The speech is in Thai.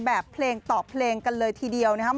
แบบเพลงต่อเพลงกันเลยทีเดียวนะครับ